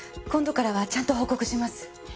今度からはちゃんと報告します。